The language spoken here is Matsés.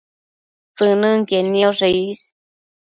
tsënënquied nioshe is